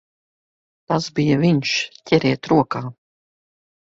Tas bija viņš! Ķeriet rokā!